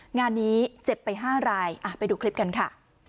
งานนี้เจ็บไป๕รายไปดูคลิปกันค่ะ